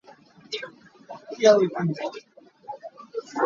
Ka hna a ngam.